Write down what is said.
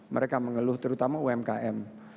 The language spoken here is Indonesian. mereka mengeluh terutama umkm